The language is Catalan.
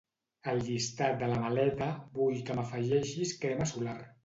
Al llistat de la maleta vull que m'afegeixis crema solar.